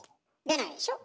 出ないでしょ？